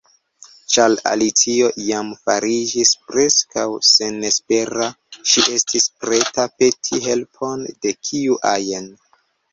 Ĉar Alicio jam fariĝis preskaŭ senespera, ŝi estis preta peti helpon de kiu ajn.